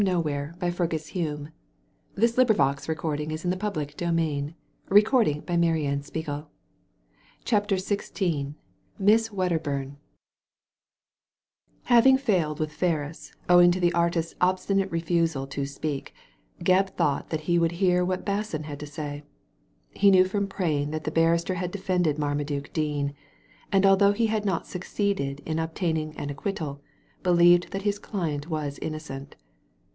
Whatever Ferris knew he kept to himselfl Digitized by Google CHAPTER XVI MISS WEDDERBURN Having failed with Ferris, owing to the artist's obstinate refusal to speak, Gebb thought that he would hear what Basson had to say. He knew from Prain that the barrister had defended Marmaduke Dean, and although he had not succeeded in obtain ing an acquittal, believed that his client was innocent.